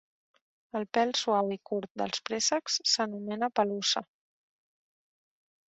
El pèl suau i curt dels préssecs s'anomena pelussa.